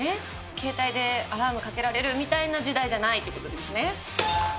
携帯でアラームかけられるみたいな時代じゃないってことですね。